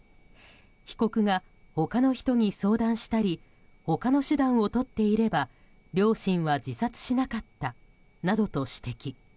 被告が他の人に相談したり他の手段をとっていれば両親は自殺しなかったなどと指摘。